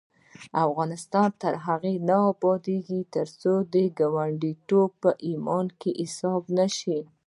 افغانستان تر هغو نه ابادیږي، ترڅو ګاونډیتوب په ایمان کې حساب نشي.